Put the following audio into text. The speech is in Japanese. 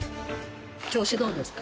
調子どうですか？